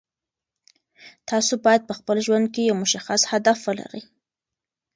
تاسو باید په خپل ژوند کې یو مشخص هدف ولرئ.